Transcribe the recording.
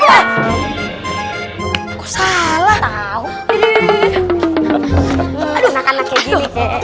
aku salah tau